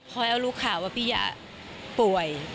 ขอให้รู้ข่าวว่าพี่อาปิยะป่วย